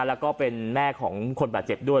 แล้วก็เป็นแม่ของคนบาดเจ็บด้วย